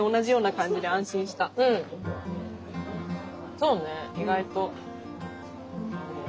そうね意外と。